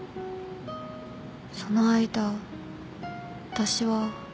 その間私は